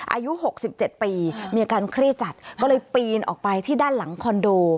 อายุ๖๗ปีมีอาการเครียดจัดก็เลยปีนออกไปที่ด้านหลังคอนโด